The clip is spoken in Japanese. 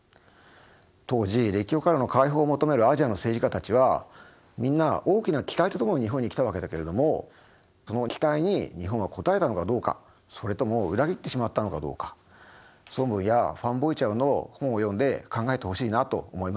当時列強からの解放を求めるアジアの政治家たちはみんな大きな期待とともに日本に来たわけだけれどもその期待に日本は応えたのかどうかそれとも裏切ってしまったのかどうか孫文やファン・ボイ・チャウの本を読んで考えてほしいなと思います。